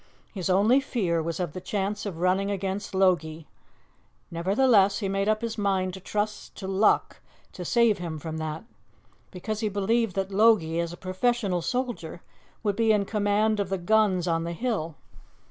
His only fear was of the chance of running against Logie; nevertheless, he made up his mind to trust to luck to save him from that, because he believed that Logie, as a professional soldier, would be in command of the guns on the hill.